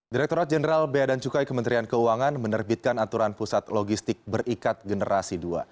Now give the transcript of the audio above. direkturat jenderal bea dan cukai kementerian keuangan menerbitkan aturan pusat logistik berikat generasi dua